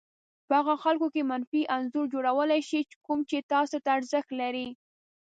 په هغو خلکو کې منفي انځور جوړولای شي کوم چې تاسې ته ارزښت لري.